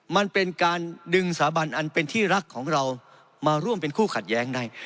มันเป็นการดึงสาบันอันเป็นที่รักของเรามาร่วมเป็นคู่ขัดแย้งได้